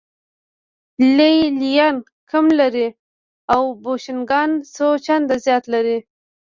لې لیان کم لري او بوشونګان څو چنده زیات لري